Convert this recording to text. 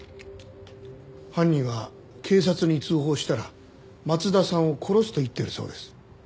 犯人は警察に通報したら松田さんを殺すと言っているそうです。